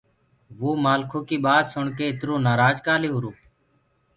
وو مآلکو ڪي ٻآت سُڻ ڪي اِتر نآرآج ڪآلي هوُرو۔